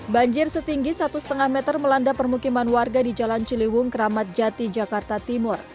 banjir setinggi satu lima meter melanda permukiman warga di jalan ciliwung keramat jati jakarta timur